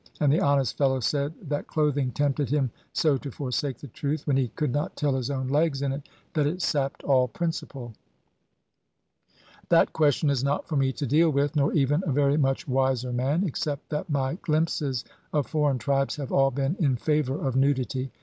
And the honest fellow said that clothing tempted him so to forsake the truth, when he could not tell his own legs in it, that it sapped all principle. That question is not for me to deal with, nor even a very much wiser man, except that my glimpses of foreign tribes have all been in favour of nudity.